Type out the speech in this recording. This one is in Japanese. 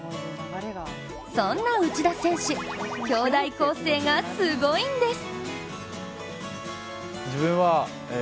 そんな内田選手兄弟構成がすごいんです！